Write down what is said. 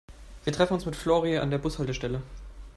Wir treffen uns mit Flori an der Bushaltestelle.